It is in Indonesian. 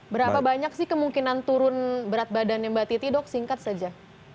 berapa banyak sih kemungkinan turun berat badannya mbak titi dok singkat saja